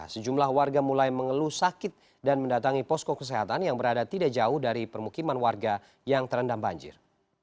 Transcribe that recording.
sejumlah warga mulai mengeluh sakit dan mendatangi posko kesehatan yang berada tidak jauh dari permukiman warga yang terendam banjir